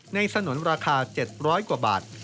สนุนราคา๗๐๐กว่าบาท